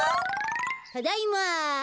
・ただいま。